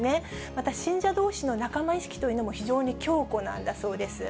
また信者どうしの仲間意識というのも、非常に強固なんだそうです。